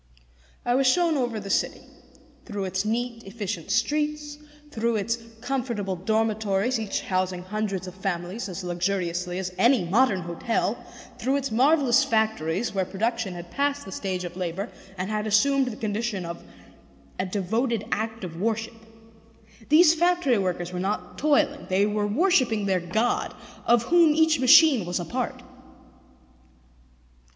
I was shown over the city, through its neat, efficient streets, through its comfortable dormitories each housing hundreds of families as luxuriously as any modern hotel, through its marvelous factories where production had passed the stage of labor and had assumed the condition of a devoted act of worship. These factory workers were not toiling: they were worshipping their God, of Whom each machine was a part.